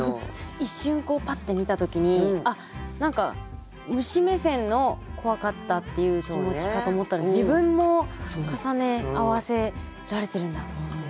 一瞬こうパッて見た時に何か虫目線の「怖かった」っていう気持ちかと思ったら自分も重ね合わせられてるんだと思って。